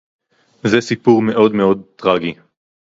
זה סיפור מאוד מאוד טרגי